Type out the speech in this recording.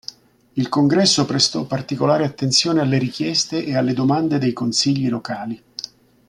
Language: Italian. Il congresso prestò particolare attenzione alle richieste e alle domande dei consigli locali.